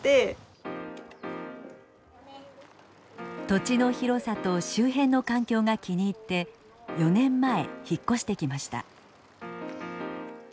土地の広さと周辺の環境が気に入って４年前引っ越してきました。